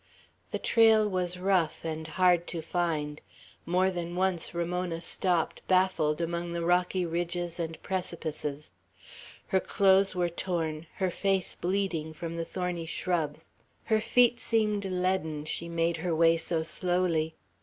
The trail was rough, and hard to find. More than once Ramona stopped, baffled, among the rocky ridges and precipices. Her clothes were torn, her face bleeding, from the thorny shrubs; her feet seemed leaden, she made her way so slowly.